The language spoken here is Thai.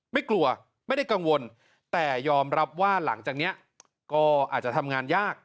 ไม่กลัวไม่ได้กังวลแต่ยอมรับว่าหลังจากนี้ก็อาจจะทำงานยาก